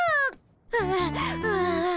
はあはあ。